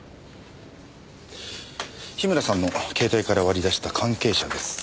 樋村さんの携帯から割り出した関係者です。